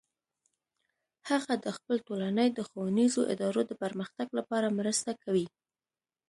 هغه د خپل ټولنې د ښوونیزو ادارو د پرمختګ لپاره مرسته کوي